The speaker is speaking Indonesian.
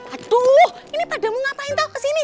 aduh ini pada mau ngapain tau ke sini